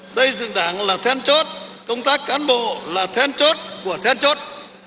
xây dựng đảng là then chốt công tác cán bộ là then chốt của then chốt